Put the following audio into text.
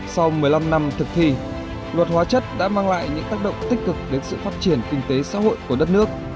sau một mươi năm năm thực thi luật hóa chất đã mang lại những tác động tích cực đến sự phát triển kinh tế xã hội của đất nước